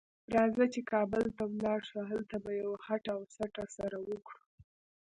راځه چې کابل ته ولاړ شو؛ هلته به یوه هټه او سټه سره وکړو.